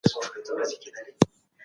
بنسټیزې څېړنې د فکر او تخیل غوښتنه کوي.